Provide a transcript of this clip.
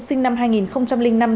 sinh năm hai nghìn năm